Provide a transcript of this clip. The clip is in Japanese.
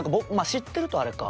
「知ってるとあれか」